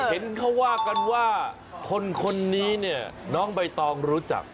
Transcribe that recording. เห็นเขาว่ากันว่าคนนี้เนี่ยน้องใบตองรู้จัก